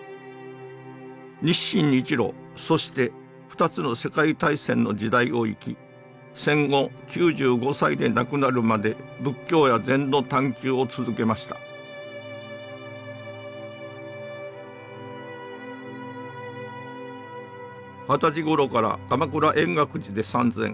日清日露そして２つの世界大戦の時代を生き戦後９５歳で亡くなるまで仏教や禅の探究を続けました二十歳頃から鎌倉・円覚寺で参禅。